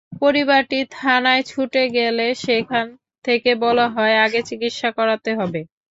পরিবারটি থানায় ছুটে গেলে সেখান থেকে বলা হয়, আগে চিকিৎসা করাতে হবে।